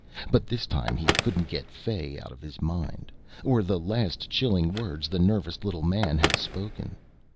But this time he couldn't get Fay out of his mind, or the last chilling words the nervous little man had spoken.